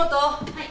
はい。